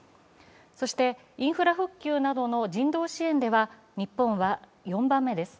そして、インフラ復旧などの人道支援では日本は４番目です。